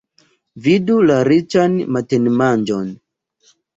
Vidu la riĉan matenmanĝon.